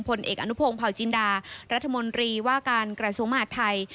ผลเอกอนุพงศ์เผาจินดารัฐมนตรีว่าการกระทรวงมหาดไทย